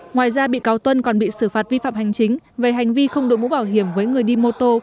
ngoài ra bị cáo tuân còn bị xử phạt vi phạm hành chính về hành vi không đội mũ bảo hiểm với người đi mô tô